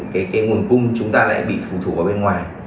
cái nguồn cung chúng ta lại bị thủ thủ vào bên ngoài